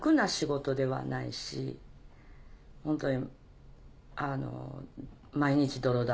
ホントに。